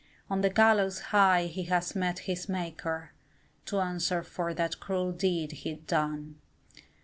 On the gallows high he has met his Maker, To answer for that cruel deed he'd done.